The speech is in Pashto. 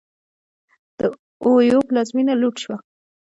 د اویو پلازمېنه لوټ شوه.